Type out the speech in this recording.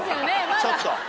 ちょっと。